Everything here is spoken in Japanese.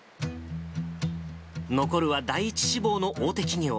残るは第１志望の大手企業。